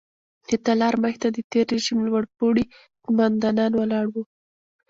د تالار مخې ته د تېر رژیم لوړ پوړي قوماندان ولاړ وو.